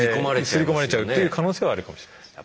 すり込まれちゃうっていう可能性はあるかもしれないです。